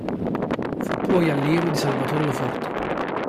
Fu poi allievo di Salvatore Lo Forte.